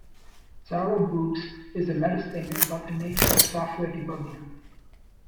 "Zarro Boogs" is a meta-statement about the nature of software debugging.